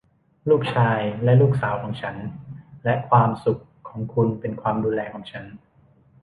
ลูกชายและลูกสาวของฉัน และความสุขของคุณเป็นความดูแลของฉัน